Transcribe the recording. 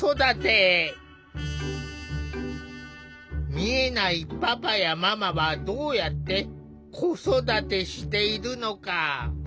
見えないパパやママはどうやって子育てしているのか。